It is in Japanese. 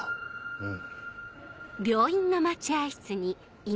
うん。